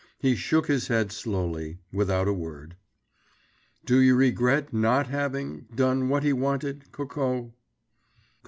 He shook his head slowly, without a word. "Do you regret not having—done what he wanted, Coco?"